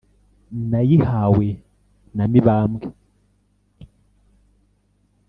Nayihawe na Mibambwe,